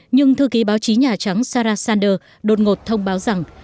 nhưng thư ký báo chí nhà trắng sarah sander đột ngột thông báo rằng